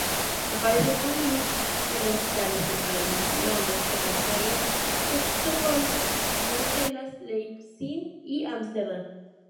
Apareció con Liszt en recitales en París, Londres, Copenhague, Estocolmo, Bruselas, Leipzig y Ámsterdam.